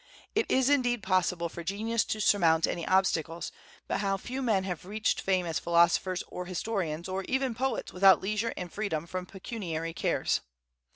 It is indeed possible for genius to surmount any obstacles, but how few men have reached fame as philosophers or historians or even poets without leisure and freedom from pecuniary cares!